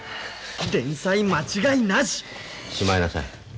連載間違いなししまいなさい。